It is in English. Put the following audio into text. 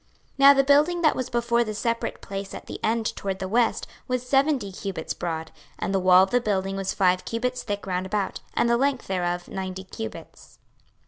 26:041:012 Now the building that was before the separate place at the end toward the west was seventy cubits broad; and the wall of the building was five cubits thick round about, and the length thereof ninety cubits.